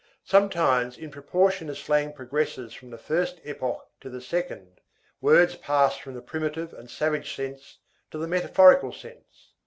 Sometimes, in proportion as slang progresses from the first epoch to the second, words pass from the primitive and savage sense to the metaphorical sense.